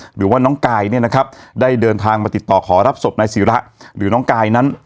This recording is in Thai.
หรือว่าน้องกายเนี่ยนะครับได้เดินทางมาติดต่อขอรับศพนายศิระหรือน้องกายนั้น